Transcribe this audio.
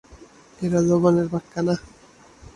এরা জবানের পাক্কা না।